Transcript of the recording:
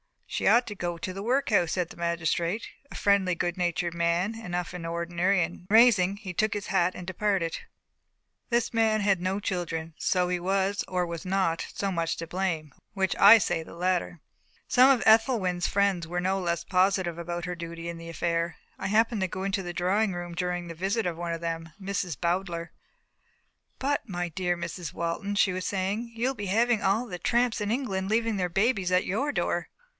"She ought to go to the workhouse," said the magistrate a friendly, good natured man enough in ordinary and rising, he took his hat and departed. This man had no children. So he was or was not, so much to blame. Which? I say the latter. Some of Ethelwyn's friends were no less positive about her duty in the affair. I happened to go into the drawing room during the visit of one of them Miss Bowdler. "But, my dear Mrs. Walton," she was saying, "you'll be having all the tramps in England leaving their babies at your door."